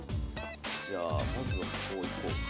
じゃあまずはこういこうか。